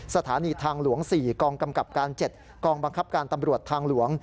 สถานีทางหลวง๔กองกำกับการ๗กองบังคับการตำรวจทางหลวง